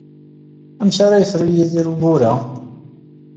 Amek ara yefru Yidir ugur-a?